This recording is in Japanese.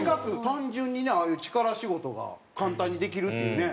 単純にねああいう力仕事が簡単にできるっていうね。